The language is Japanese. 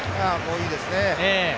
いいですね。